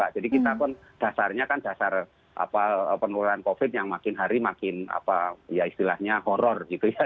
jadi kita pun dasarnya kan dasar penurunan covid yang makin hari makin ya istilahnya horror gitu ya